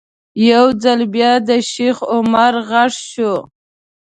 یو ځل بیا د شیخ عمر غږ شو.